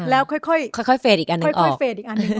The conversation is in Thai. แล้วค่อยเฟสอีกอันหนึ่งออก